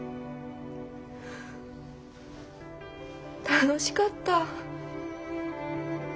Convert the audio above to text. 楽しかった。